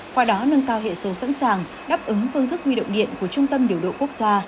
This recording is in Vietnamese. qua đó nâng cao hệ số sẵn sàng đáp ứng phương thức huy động điện của trung tâm điều độ quốc gia